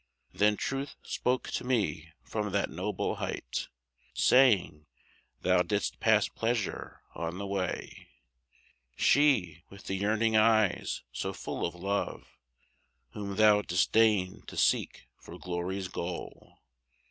Then Truth spoke to me from that noble height, Saying: "Thou didst pass Pleasure on the way, She with the yearning eyes so full of Love, Whom thou disdained to seek for glory's goal."